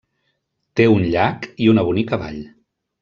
Té un llac i una bonica vall.